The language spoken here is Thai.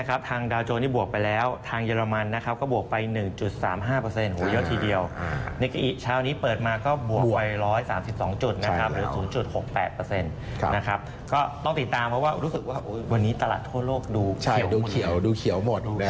ก็ต้องติดตามเพราะว่ารู้สึกว่าวันนี้ตลาดทั่วโลกดูเขียวหมด